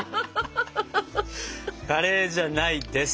カレーじゃないです。